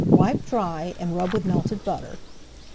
Wipe dry and rub with melted butter.